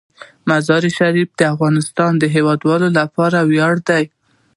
مزارشریف د افغانستان د هیوادوالو لپاره ویاړ دی.